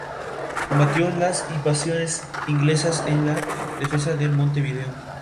A poco de ser puestos en servicios la puerta del medio fue clausurada.